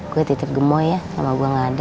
gua titip gemboy ya sama gua gak ada